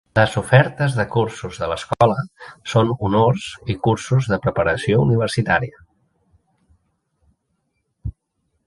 Les ofertes de cursos de l'escola són honors i cursos de preparació universitària.